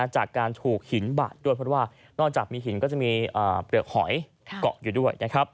จากการถูกหินบาดด้วยเพราะว่านอกจากมีหินก็จะมีเปลือกหอยเกาะอยู่ด้วยนะครับ